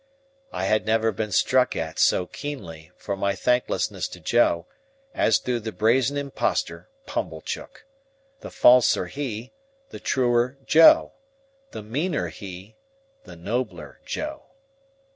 I had never been struck at so keenly, for my thanklessness to Joe, as through the brazen impostor Pumblechook. The falser he, the truer Joe; the meaner he, the nobler Joe.